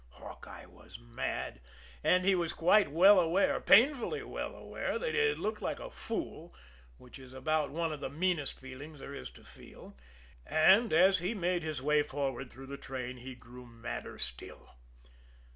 Hawkeye was mad; and he was quite well aware, painfully well aware that he had looked like a fool, which is about one of the meanest feelings there is to feel; and, as he made his way forward through the train, he grew madder still.